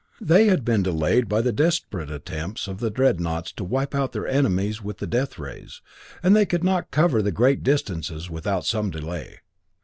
They had been delayed by the desperate attempts of the dreadnaughts to wipe out their enemies with the death rays, and they could not cover the great distances without some delay.